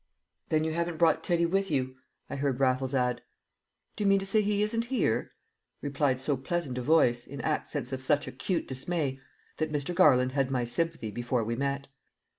"Then you haven't brought Teddy with you?" I heard Raffles add. "Do you mean to say he isn't here?" replied so pleasant a voice in accents of such acute dismay that Mr. Garland had my sympathy before we met.